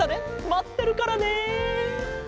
まってるからね。